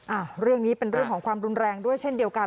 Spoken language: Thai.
อ่าเรื่องนี้เป็นเรื่องของความรุนแรงด้วยเช่นเดียวกัน